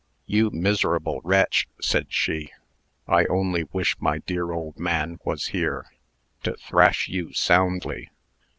"You miserable wretch!" said she. "I only wish my dear old man was here, to thrash you soundly.